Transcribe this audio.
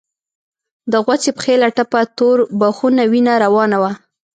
د غوڅې پښې له ټپه تور بخونه وينه روانه وه.